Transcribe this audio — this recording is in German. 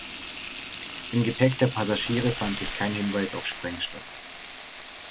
Im Gepäck der Passagiere fand sich kein Hinweis auf Sprengstoff.